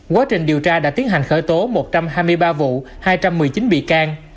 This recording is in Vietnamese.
quá trình điều tra đã tiến hành khởi tố một trăm hai mươi ba vụ hai trăm một mươi chín bị can